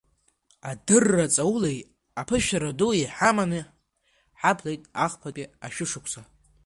Адырра ҵаулеи аԥышәара дуи ҳаманы ҳаԥлеит ахԥатәи ашәышықәса.